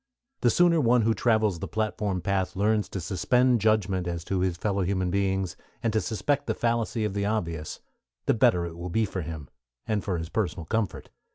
The sooner one who travels the Platform Path learns to suspend judgment as to his fellow beings, and to suspect the fallacy of the obvious, the better it will be for him, and for his personal comfort.